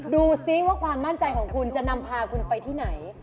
ดูสิว่าความมั่นใจของคุณจะนำพาคุณไปที่ไหน